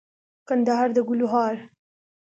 کندهار دګلو هار